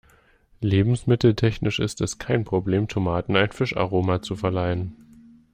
Lebensmitteltechnisch ist es kein Problem, Tomaten ein Fischaroma zu verleihen.